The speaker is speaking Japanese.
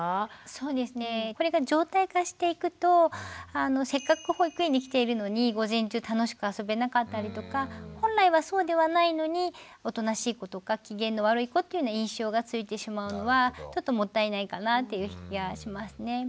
そうですねこれが常態化していくとせっかく保育園に来ているのに午前中楽しく遊べなかったりとか本来はそうではないのにおとなしい子とか機嫌の悪い子というような印象がついてしまうのはちょっともったいないかなっていう気はしますね。